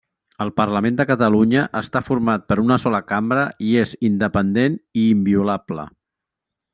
El Parlament de Catalunya està format per una sola cambra i és independent i inviolable.